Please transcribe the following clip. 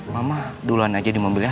mama duluan aja di mobil ya